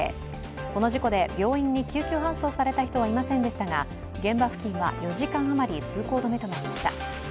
この事故で病院に救急搬送された人はいませんでしたが、現場付近は４時間あまり通行止めとなりました。